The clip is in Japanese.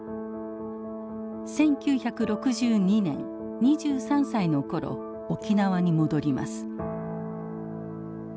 １９６２年２３歳の頃沖縄に戻ります。